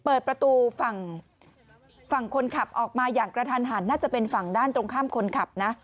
เปิดประตูฝั่งฝั่งคนขับออกมาอย่างกระทันหันน่าจะเป็นฝั่งด้านตรงข้ามคนขับนะ